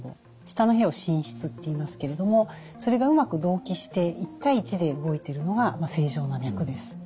下の部屋を心室っていいますけれどもそれがうまく同期して１対１で動いているのが正常な脈です。